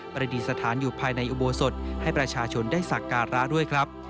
ประดิษฐานอยู่ภายในอุโบสถให้ประชาชนได้สักการะด้วยครับ